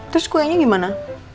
terus kuenya gimana